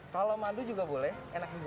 kalo madu juga boleh enak juga dia